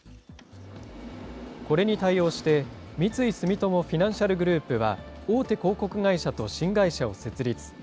これに対応して、三井住友フィナンシャルグループは、大手広告会社と新会社を設立。